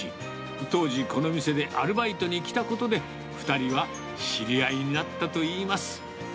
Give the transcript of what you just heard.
当時、この店でアルバイトに来たことで、２人は知り合いになったといいます。